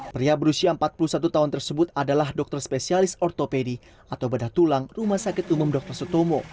pria berusia empat puluh satu tahun tersebut adalah dokter spesialis ortopedi atau bedah tulang rumah sakit umum dr sutomo